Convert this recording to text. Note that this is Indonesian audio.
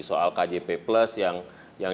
soal kjp plus yang